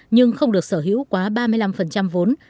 nhưng không được sở hữu quá ba mươi năm vốn